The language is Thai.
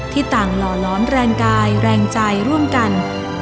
ต่างหล่อร้อนแรงกายแรงใจร่วมกัน